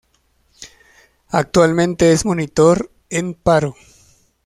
Actualmente es monitor en paro.